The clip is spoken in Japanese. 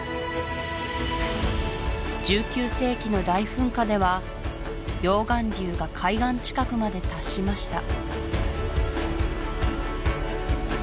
１９世紀の大噴火では溶岩流が海岸近くまで達しました